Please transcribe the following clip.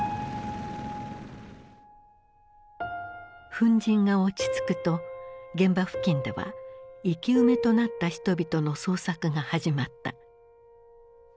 粉じんが落ち着くと現場付近では生き埋めとなった人々の捜索が始まった。